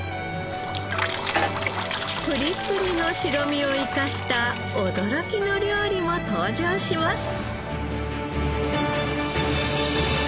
プリプリの白身を生かした驚きの料理も登場します。